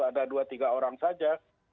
ada dua tiga orang saja